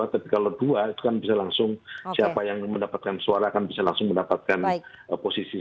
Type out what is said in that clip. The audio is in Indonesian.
tapi kalau dua itu kan bisa langsung siapa yang mendapatkan suara kan bisa langsung mendapatkan posisi